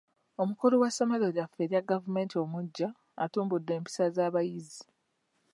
Omukulu w'essomero lyaffe erya gavumenti omuggya atumbudde empisa z'abayizi.